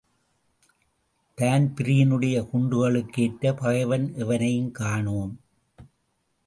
தான்பிரீனுடைய குண்டுகளுக்கேற்ற பகைவன் எவனையும் காணோம்.